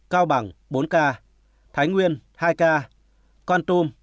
cao bằng bốn ca